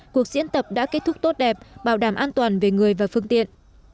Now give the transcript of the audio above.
cuộc diễn tập đã kết thúc tốt đẹp bảo đảm an toàn về người và phương tiện